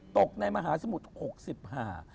ตกในมหาสมุทร๖๕